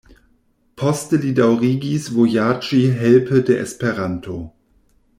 Poste li daŭrigis vojaĝi helpe de Esperanto.